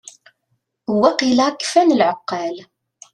Waqila kfan lɛeqqal.